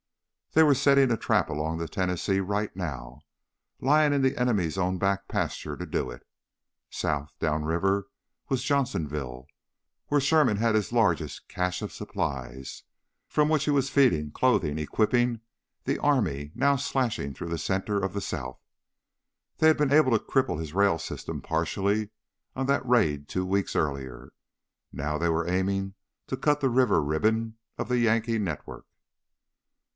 They were setting a trap along the Tennessee right now, lying in the enemies' own back pasture to do it. South, downriver, was Johnsonville, where Sherman had his largest cache of supplies, from which he was feeding, clothing, equipping the army now slashing through the center of the South. They had been able to cripple his rail system partially on that raid two weeks earlier; now they were aiming to cut the river ribbon of the Yankee network.